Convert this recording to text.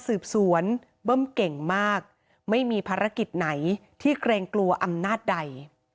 สืบสวนเบิ้มเก่งมากไม่มีภารกิจไหนที่เกรงกลัวอำนาจใด